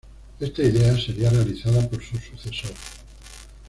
Esta idea sería realizada por su sucesor.